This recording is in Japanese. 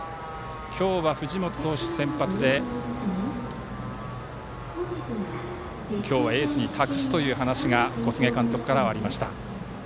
今日は藤本投手先発で今日はエースに託すという話が小菅監督からはありました。